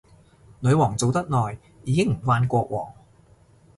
女皇做得耐，已經唔慣國王